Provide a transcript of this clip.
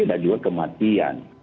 dan juga kematian